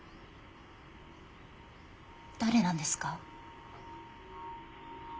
誰なんですか？